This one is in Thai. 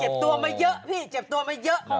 ตัวมาเยอะพี่เจ็บตัวมาเยอะ